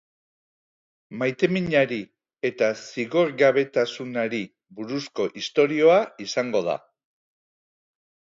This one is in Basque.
Maiteminari eta zigorgabetasunari buruzko istorioa izango da.